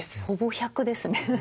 ほぼ１００ですね。